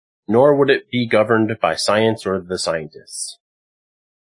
Nor would it be governed by science or the scientists.